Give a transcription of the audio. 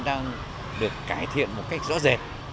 đang được cải thiện một cách rõ rệt